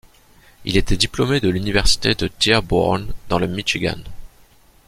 Il était diplômé de l'université de Dearborn dans le Michigan.